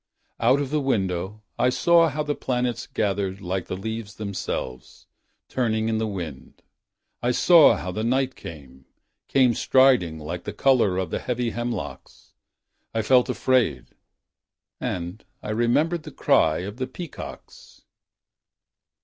Out of the window, I saw how the planets gathered Like the leaves themselves Turning in the wind, I saw how the night came. Came striding like the color of the heavy hemlocks. I felt afraid — And I remembered the cry of the peacocks